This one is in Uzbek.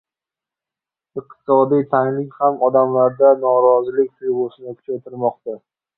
iqtisodiy tanglik ham odamlarda norozilik tuyg‘usini kuchaytirmoqda.